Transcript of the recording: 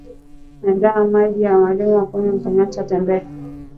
andaa Maji ya limao yakuweka kenye mtembele